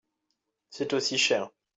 C'est aussi cher.